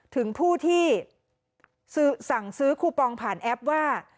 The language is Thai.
ถึงผู้ที่สั่งซื้อคูปองผ่านแอปว่า